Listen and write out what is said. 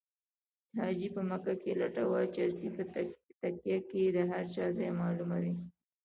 حاجي په مکه کې لټوه چرسي په تکیه کې د هر چا ځای معلوموي